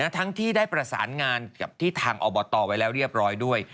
ทั้งที่ได้ประสานงานกับที่ทางอบตไว้แล้วเรียบร้อยด้วย